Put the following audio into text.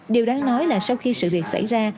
điều đáng nói là sau khi sự việc xảy ra